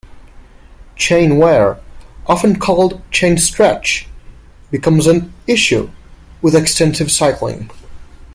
Chain wear, often called "chain stretch", becomes an issue with extensive cycling.